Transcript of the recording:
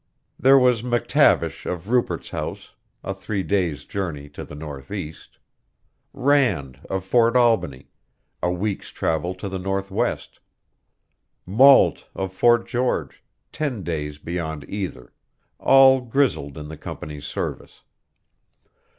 There was McTavish of Rupert's House, a three days' journey to the northeast; Rand of Fort Albany, a week's travel to the northwest; Mault of Fort George, ten days beyond either, all grizzled in the Company's service.